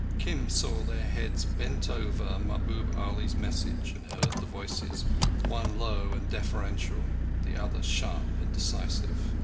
Kim saw their heads bent over Mahbub Ali's message, and heard the voices—one low and deferential, the other sharp and decisive.